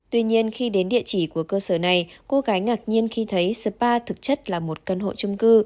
tuy nhiên khi đến địa chỉ của cơ sở này cô gái ngạc nhiên khi thấy spa thực chất là một căn hộ trung cư